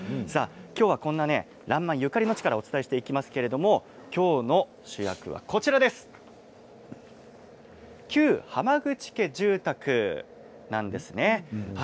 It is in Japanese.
今日は、こんな「らんまん」ゆかりの地からお伝えしていきますが今日の主役は旧浜口家住宅なんです。